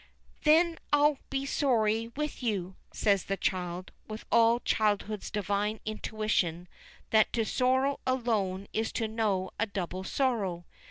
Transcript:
"Then I'll be sorry with you," says the child, with all childhood's divine intuition that to sorrow alone is to know a double sorrow.